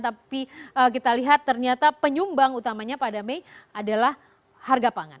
tapi kita lihat ternyata penyumbang utamanya pada mei adalah harga pangan